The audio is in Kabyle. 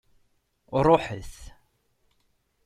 Ruḥet!